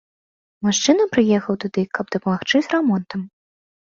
Мужчына прыехаў туды, каб дапамагчы з рамонтам.